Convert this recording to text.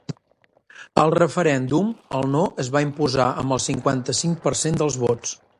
Al referèndum, el no es va imposar amb el cinquanta-cinc per cent dels vots.